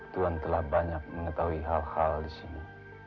tuhan telah banyak mengetahui hal hal di sini